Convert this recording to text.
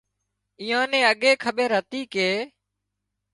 ايئان نين اڳي کٻير هتي ڪي